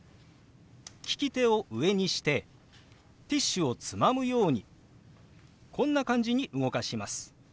利き手を上にしてティッシュをつまむようにこんな感じに動かします。